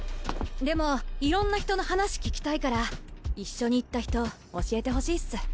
でもいろんな人の話聞きたいから一緒に行った人教えてほしいっす。